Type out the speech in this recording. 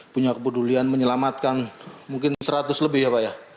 punya kepedulian menyelamatkan mungkin seratus lebih ya pak ya